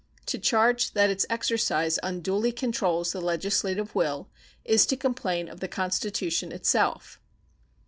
To charge that its exercise unduly controls the legislative will is to complain of the Constitution itself.